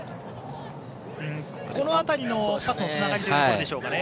この辺りのパスのつながりというところでしょうかね。